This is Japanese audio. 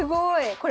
これ。